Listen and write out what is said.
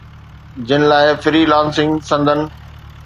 جن لاءِ freelancing سندن